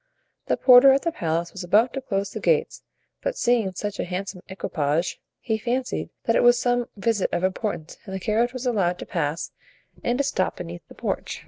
The porter at the palace was about to close the gates, but seeing such a handsome equipage he fancied that it was some visit of importance and the carriage was allowed to pass and to stop beneath the porch.